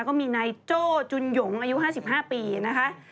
ก็มีนายโจ้จุนหยงอายุ๕๕ปีนะคะ